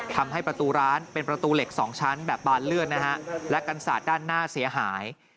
ทำให้ประตูร้านเป็นประตูเหล็ก๒ชั้นแบบบานเลื่อนนะฮะและกันศาสตร์ด้านหน้าเสียหาย